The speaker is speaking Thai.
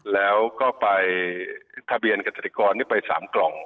แล้วก็ทะเบียนกับสถิกรไป๓กล่อง